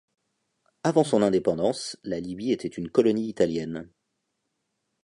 Avant son indépendance, la Libye était une colonie italienne.